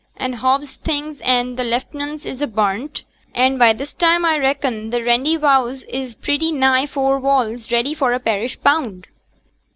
And Hobbs' things and t' lieutenant's is a' burnt; and by this time a reckon t' Randyvowse is pretty nigh four walls, ready for a parish pound.'